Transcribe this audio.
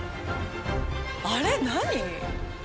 あれ、何？